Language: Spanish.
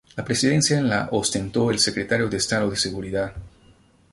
La presidencia la ostentó el Secretario de Estado de Seguridad.